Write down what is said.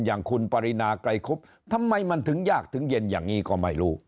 อย่างคุณปรินาไกรคุบทำไมมันถึงยากถึงเย็นอย่างนี้ก็ไม่รู้